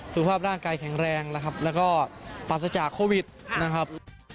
สุขภาพร่างกายแข็งแรงนะครับแล้วก็ปราศจากโควิดนะครับ